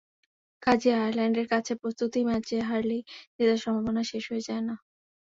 কাজেই আয়ারল্যান্ডের কাছে প্রস্তুতি ম্যাচে হারলেই জেতার সম্ভাবনা শেষ হয়ে যায় না।